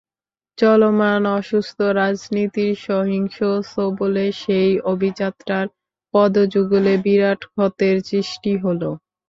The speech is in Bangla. চলমান অসুস্থ রাজনীতির সহিংস ছোবলে সেই অভিযাত্রার পদযুগলে বিরাট ক্ষতের সৃষ্টি হলো।